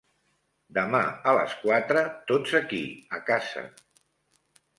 Demà a les quatre, tots aquí a casa.